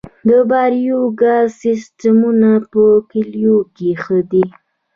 د بایو ګاز سیستمونه په کلیو کې ښه دي